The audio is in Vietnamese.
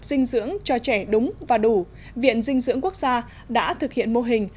dinh dưỡng cho trẻ đúng và đủ viện dinh dưỡng quốc gia đã thực hiện mô hình